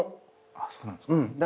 そうなんですか。